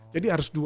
jadi harus dua